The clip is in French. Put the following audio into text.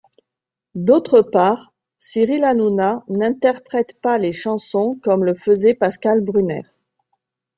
D'autre part, Cyril Hanouna n'interprète pas les chansons comme le faisait Pascal Brunner.